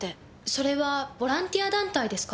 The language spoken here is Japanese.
それはボランティア団体ですか？